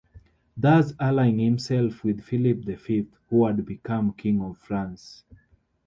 Thus allying himself with Philip the Fifth, who had become king of France.